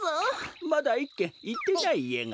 まだ１けんいってないいえが。